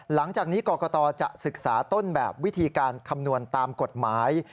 หลังจากนี้กรกตจะศึกษาต้นแบบวิธีการคำนวณตามกฎหมาย